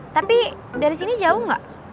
tapi dari sini jauh nggak